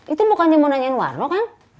itu bukan yang mau nanyain warna kan